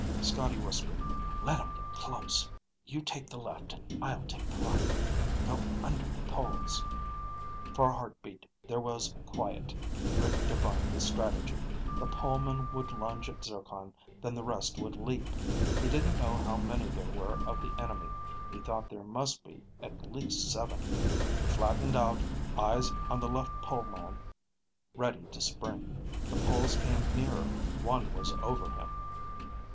Scotty whispered, "Let 'em get close. You take the left and I'll take the right. Go under the poles." For a heartbeat there was quiet. Rick divined the strategy. The polemen would lunge at Zircon, then the rest would leap. He didn't know how many there were of the enemy. He thought there must be at least seven. He flattened out, eyes on the left poleman, ready to spring. The poles came nearer, one was over him.